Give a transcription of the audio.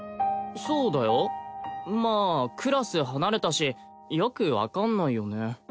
そうだよまあクラス離れたしよく分かんないよね